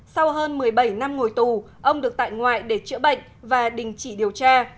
sau hơn một mươi bảy năm ngồi tù ông được tại ngoại để chữa bệnh và đình chỉ điều tra